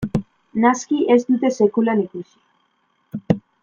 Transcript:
Naski ez dute sekulan ikusi.